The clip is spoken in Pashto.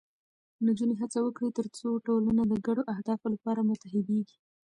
نجونې هڅه وکړي، ترڅو ټولنه د ګډو اهدافو لپاره متحدېږي.